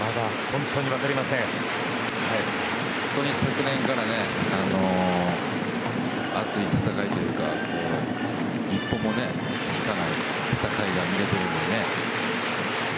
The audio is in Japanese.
本当に昨年から熱い戦いというか一歩も引かない戦いが見れてるので。